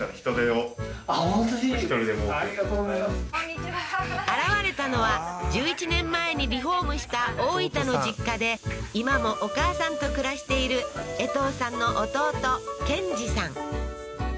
１人でも多く現れたのは１１年前にリフォームした大分の実家で今もお母さんと暮らしているえとうさんの弟賢治さん